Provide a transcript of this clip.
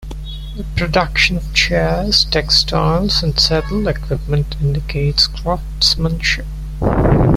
The production of chairs, textiles, and saddle equipment indicates craftsmanship.